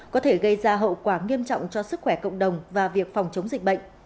có thể gây ra hậu quả nghiêm trọng cho sức khỏe cộng đồng và việc phòng chống dịch bệnh